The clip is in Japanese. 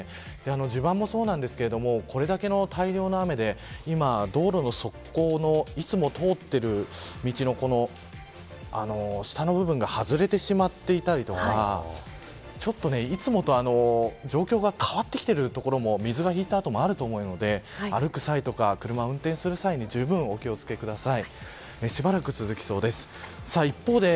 地盤もそうなんですがこれだけの大量の雨で今、道路の側溝のいつも通っている道の下の部分が外れてしまっていたりとかいつもと状況が変わってきてるところも水が引いた後もあると思うので歩く際や車を運転する際はじゅうぶん気を付けてください。